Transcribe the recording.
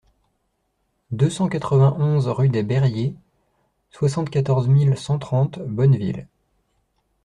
deux cent quatre-vingt-onze rue des Bairiers, soixante-quatorze mille cent trente Bonneville